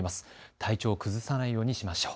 体調を崩さないようにしましょう。